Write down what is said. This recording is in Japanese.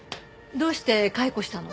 どうして解雇したの？